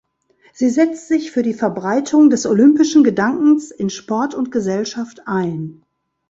Sie setzt sich für die Verbreitung des olympischen Gedankens in Sport und Gesellschaft ein.